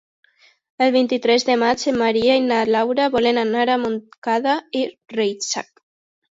El vint-i-tres de maig en Maria i na Laura volen anar a Montcada i Reixac.